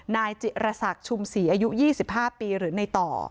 นายจิรษักชุมศรีอายุ๒๕ปีหรือในต่อ